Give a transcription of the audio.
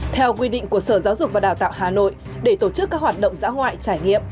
theo quy định của sở giáo dục và đào tạo hà nội để tổ chức các hoạt động dã ngoại trải nghiệm